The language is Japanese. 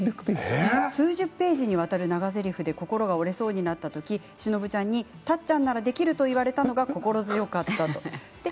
数十ページにわたる長ぜりふで心が折れそうになった時しのぶちゃんに「たっちゃんならできる」と言われたのが心強かったです。